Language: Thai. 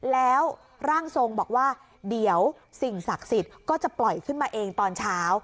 แล้วร่างทรงบอกว่าเดี๋ยวสิ่งศักดิ์สิทธิ์ก็จะปล่อยขึ้นมาเองตอนเช้า